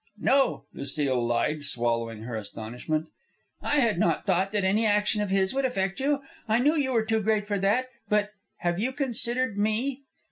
"No," Lucile lied, swallowing her astonishment. "I had not thought that any action of his would affect you. I knew you were too great for that. But have you considered me?"